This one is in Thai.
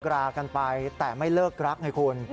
รากันไปแต่ไม่เลิกรักไงคุณ